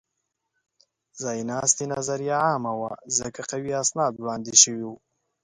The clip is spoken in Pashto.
ځایناستې نظریه عامه وه؛ ځکه قوي اسناد وړاندې شوي وو.